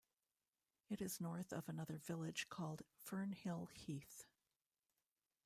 It is north of another village called Fernhill Heath.